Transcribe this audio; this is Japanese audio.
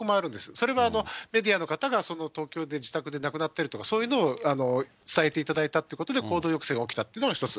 それはメディアの方が東京で自宅で亡くなってるとか、そういうのを伝えていただいたってことで、行動抑制が起きたというのが１つ。